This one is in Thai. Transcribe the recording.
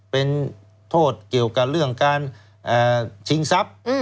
เป็นโทษเกี่ยวกับเรื่องการชิงทรัพย์